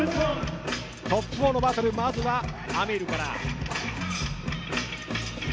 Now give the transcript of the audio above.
トップ４のバトル、まずはＡｍｉｒから。